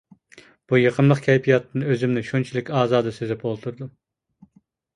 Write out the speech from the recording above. بۇ يېقىملىق كەيپىياتتىن ئۆزۈمنى شۇنچىلىك ئازادە سېزىپ ئولتۇردۇم.